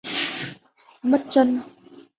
Mất chân